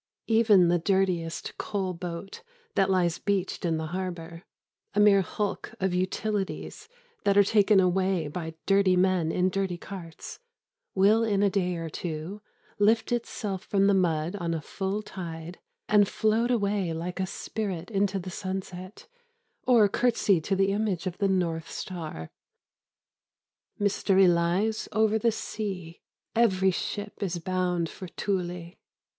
Even the dirtiest coal boat that lies beached in the harbour, a mere hulk of utilities that are taken away by dirty men in dirty carts, will in a day or two lift itself from the mud on a full tide and float away like a spirit into the sunset or curtsy to the image of the North Star. Mystery lies over the sea. Every ship is bound for Thule.